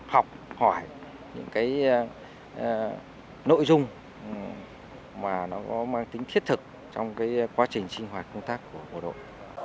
học hỏi những cái nội dung mà nó có mang tính thiết thực trong quá trình sinh hoạt công tác của bộ đội